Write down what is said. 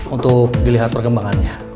untuk dilihat perkembangannya